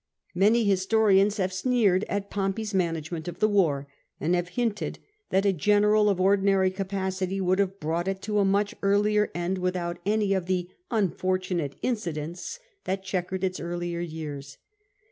Many historians have sneered at Pompey's management of the war, and have hinted tliat a general of ordinary capacity would have brought it to a much earlier end, without any of the " unfortunate incidents " that chequered its earlier years.